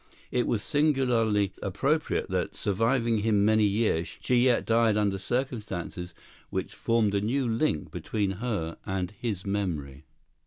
It was singularly appropriate that, surviving him many years, she yet died under circumstances which formed a new link between her and his memory.